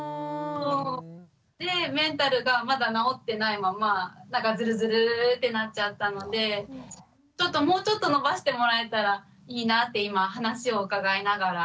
でメンタルがまだ治ってないままなんかずるずるってなっちゃったのでもうちょっとのばしてもらえたらいいなって今話を伺いながら。